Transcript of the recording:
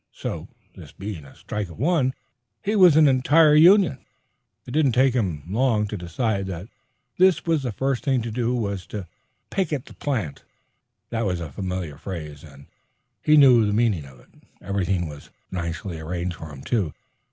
So, this being a strike of one, he was an entire union. It did not take him long to decide that the first thing to do was to "picket the plant." That was a familiar phrase, and he knew the meaning of it. Everything was nicely arranged for him, too.